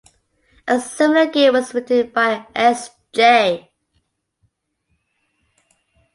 A similar game was written by S. J.